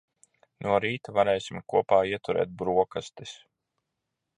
No rīta varēsim kopā ieturēt broksastis.